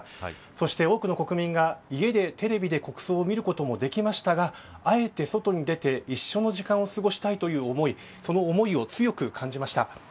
そして、多くの国民が家でテレビで国葬を見ることもできましたがあえて外に出て、一緒の時間を過ごしたいという思いその思いを強く感じました。